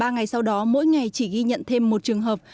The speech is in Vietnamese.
ba ngày sau đó mỗi ngày chỉ ghi nhận thêm một trường hợp